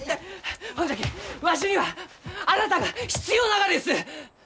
ほんじゃきわしにはあなたが必要ながです！